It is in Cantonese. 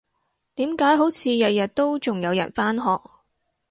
點解好似日日都仲有人返學？